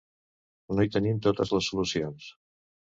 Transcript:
No hi tenim totes les solucions.